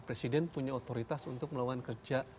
presiden punya otoritas untuk melakukan kerja